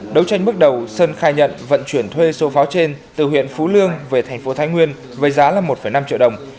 đấu tranh bước đầu sơn khai nhận vận chuyển thuê số pháo trên từ huyện phú lương về tp thái nguyên với giá một năm triệu đồng